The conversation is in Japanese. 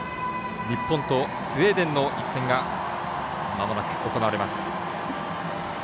日本とスウェーデンの一戦がまもなく行われます。